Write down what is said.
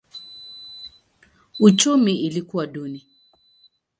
Uchumi ilikuwa duni.